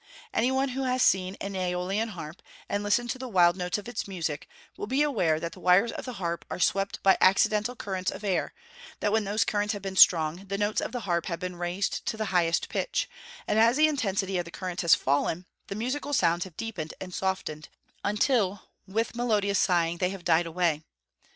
Any one who has seen an Æolian harp, and listened to the wild notes of its music, will be aware that the wires of the harp are swept by accidental currents of air; that when those currents have been strong, the notes of the harp have been raised to the highest pitch, and as the intensity of the currents has fallen, the musical sounds have deepened and softened, until, with melodious sighing, they have died away.